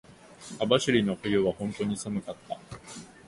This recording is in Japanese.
網走の冬は本当に寒かった。